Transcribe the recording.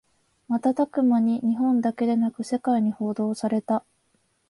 瞬く間に日本だけでなく世界に報道された